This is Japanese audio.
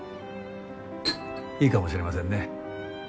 いいかもしれませんね。